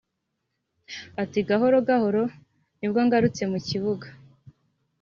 Ati’ "Gahoro gahoro nibwo ngarutse mu kibuga